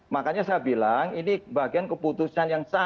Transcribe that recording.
makanya saya bilang ini bagian keputusan yang sama